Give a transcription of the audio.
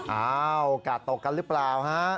อ้าวกาดตกกันหรือเปล่าฮะ